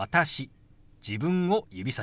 自分を指さします。